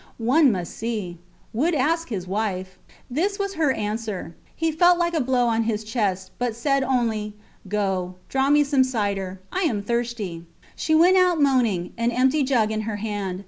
One must see. Would ask his wife. This was her answer. He felt like a blow on his chest, but said only: Go, draw me some cider. I am thirsty! She went out moaning, an empty jug in her hand.